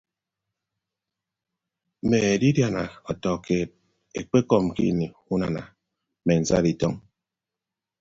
Mme edidiana ọtọ keed ekpekọm ke ini unana mme nsat ubọk.